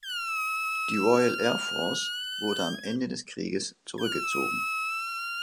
Die Royal Air Force wurde am Ende des Krieges zurückgezogen.